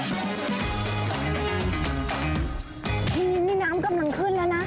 ทีนี้นี่น้ำกำลังขึ้นแล้วนะ